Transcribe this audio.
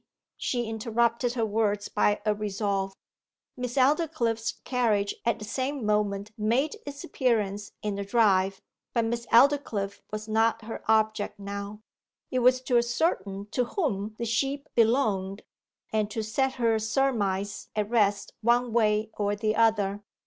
She interrupted her words by a resolve. Miss Aldclyffe's carriage at the same moment made its appearance in the drive; but Miss Aldclyffe was not her object now. It was to ascertain to whom the sheep belonged, and to set her surmise at rest one way or the other.